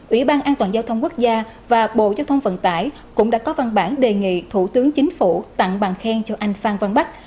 ủy ban an toàn giao thông quốc gia và bộ giao thông vận tải cũng đã có văn bản đề nghị thủ tướng chính phủ tặng bằng khen cho anh phan văn bách